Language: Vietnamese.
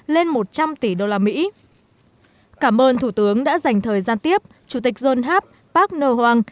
lên một trăm linh tỷ đô la mỹ cảm ơn thủ tướng đã dành thời gian tiếp chủ tịch dồn háp park ngo hoang